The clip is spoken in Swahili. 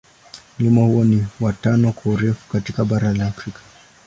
Mlima huo ni wa tano kwa urefu katika bara la Afrika.